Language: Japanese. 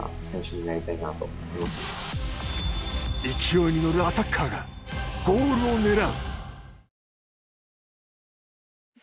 勢いに乗るアタッカーがゴールを狙う。